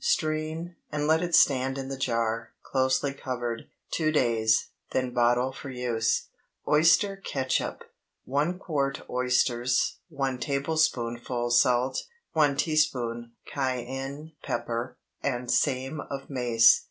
Strain, and let it stand in the jar, closely covered, two days, then bottle for use. OYSTER CATSUP. 1 quart oysters. 1 tablespoonful salt. 1 teaspoonful cayenne pepper, and same of mace.